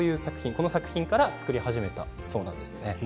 この作品から作り始めたそうです。